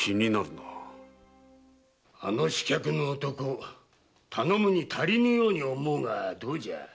あの刺客の男頼むに足りぬように思うがどうじゃ？